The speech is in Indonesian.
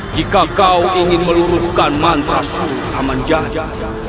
jika kau ingin meluruhkan mantra suatu amat jati